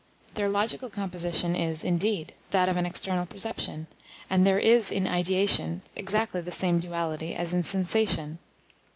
Their logical composition is, indeed, that of an external perception, and there is in ideation exactly the same duality as in sensation.